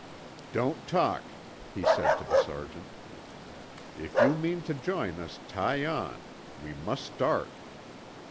"Don't talk!" he said to the sergeant. "If you mean to join us, tie on. We must start."